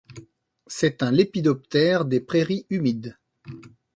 C'est un lépidoptère des prairies humides.